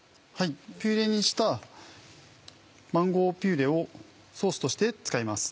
ピューレにしたマンゴーピューレをソースとして使います。